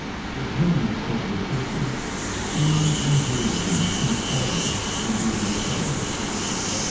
The gentleness of the Sisters soon endeared them to all under their charge.